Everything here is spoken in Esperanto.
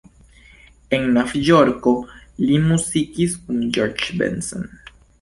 En Novjorko li muzikis kun George Benson.